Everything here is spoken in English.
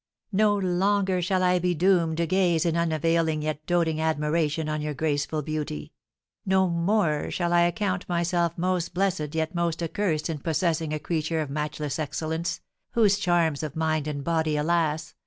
No longer shall I be doomed to gaze in unavailing yet doting admiration on your graceful beauty; no more shall I account myself most blessed yet most accursed in possessing a creature of matchless excellence, whose charms of mind and body, alas!